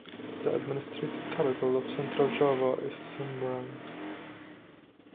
The administrative capital of Central Java is Semarang.